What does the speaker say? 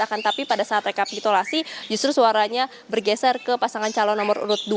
akan tapi pada saat rekapitulasi justru suaranya bergeser ke pasangan calon nomor urut dua